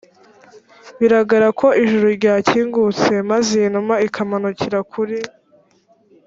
biragaragara ko ijuru ryakingutse maze iyi numa ikamanukira kuri